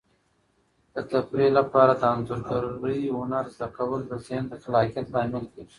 د تفریح لپاره د انځورګرۍ هنر زده کول د ذهن د خلاقیت لامل کیږي.